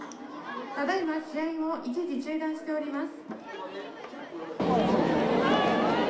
ただ今試合を一時中断しております。